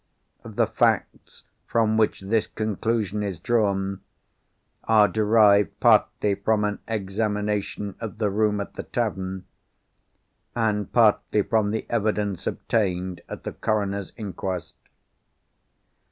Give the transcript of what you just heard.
The facts from which this conclusion is drawn, are derived partly from an examination of the room at the tavern; and partly from the evidence obtained at the Coroner's Inquest.